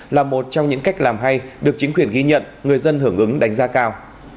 là một trong những cách làm hay được chính quyền ghi nhận người dân hưởng ứng đánh giá cao